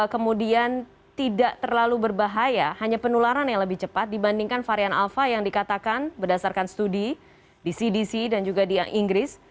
kemudian tidak terlalu berbahaya hanya penularan yang lebih cepat dibandingkan varian alpha yang dikatakan berdasarkan studi di cdc dan juga di inggris